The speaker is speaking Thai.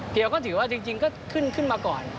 เดี๋ยวก็ถือว่าจริงก็ขึ้นมาก่อน